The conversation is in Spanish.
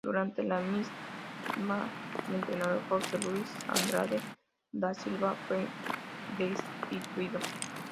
Durante la misma el entrenador, Jorge Luís Andrade da Silva, fue destituido.